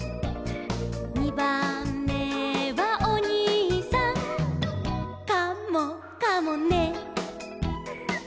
「にばんめはおにいさん」「カモかもね」